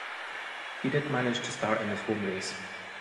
He did manage to start in his home race.